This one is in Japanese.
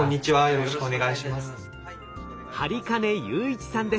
よろしくお願いします。